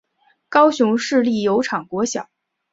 高雄市立油厂国小